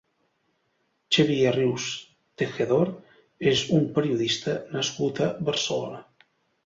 Xavier Rius Tejedor és un periodista nascut a Barcelona.